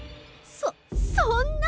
そそんな！